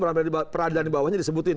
berada di peradilan di bawahnya disebutin